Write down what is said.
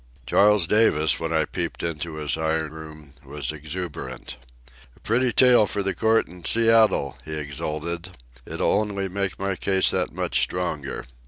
Charles Davis, when I peeped into his iron room, was exuberant. "A pretty tale for the court in Seattle," he exulted. "It'll only make my case that much stronger.